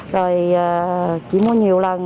rồi chị mua nhiều lần